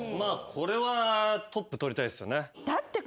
これはトップ取りたいですよね。